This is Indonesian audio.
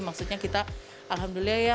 maksudnya kita alhamdulillah ya